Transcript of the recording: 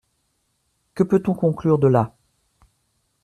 Que peut-on conclure de là ?